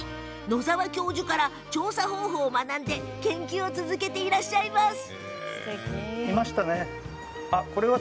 野澤教授から調査方法を学んで研究を続けています。